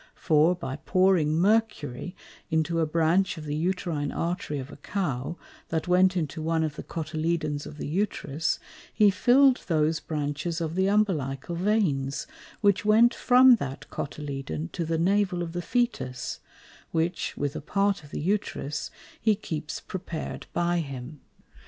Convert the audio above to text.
For by pouring Mercury into a Branch of the Uterine Arterie of a Cow, that went into one of the Cotyledones of the Uterus, he fill'd those Branches of the Umbilical Veins, which went from that Cotyledon to the Navel of the Fœtus; which, with a part of the Uterus, he keeps prepared by him.